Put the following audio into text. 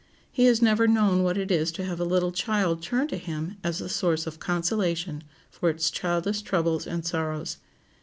He has never known what it is to have a little child turn to him as the source of consolation for its childish troubles and sorrows.